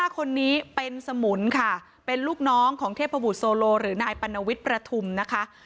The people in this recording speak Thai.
๕คนนี้เป็นสมุนค่ะเป็นลูกน้องของเทพบุตรโซโลหรือนายปัณวิทย์ประทุมนะคะ